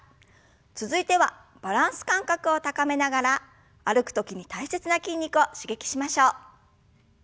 続いてはバランス感覚を高めながら歩く時に大切な筋肉を刺激しましょう。